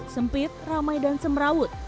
sempit ramai dan semerawut